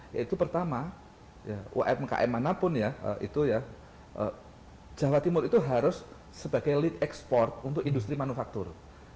yaitu pertama umkm manapun ya itu ya jawa timur itu harus sebagai lead export untuk industri manufaktur